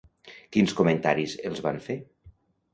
Quins comentaris els van fer?